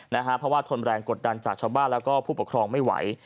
เพราะว่าทนแรงกดดันจากชาวบ้านแล้วก็ผู้ปกครองไม่ไหว